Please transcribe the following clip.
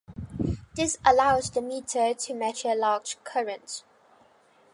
This allows the meter to measure large currents.